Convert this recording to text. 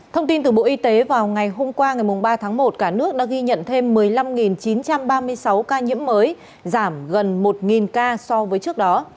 thông tin từ bộ y tế vào ngày hôm qua ngày ba tháng một cả nước đã ghi nhận thêm một mươi năm chín trăm ba mươi sáu ca nhiễm mới giảm gần một ca so với trước đó